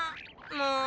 もう！